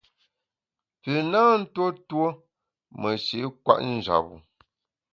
Pü na ntuo tuo meshi’ kwet njap-bu.